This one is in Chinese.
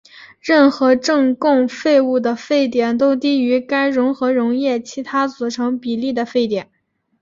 任何正共沸物的沸点都低于该混合溶液其他组成比例的沸点。